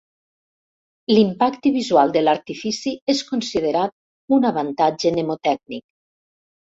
L'impacte visual de l'artifici és considerat un avantatge mnemotècnic.